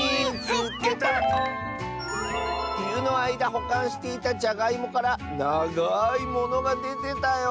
「ふゆのあいだほかんしていたじゃがいもからながいものがでてたよ！」。